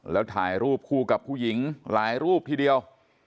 แล้วถ่ายรูปคู่กับผู้หญิงหลายรูปทีเดียว